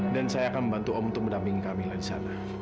dan saya akan membantu om untuk mendampingi kamila disana